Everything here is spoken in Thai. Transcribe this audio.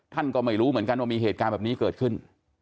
ท่านก็ไม่รู้เหมือนกันว่ามีเหตุการณ์แบบนี้เกิดขึ้น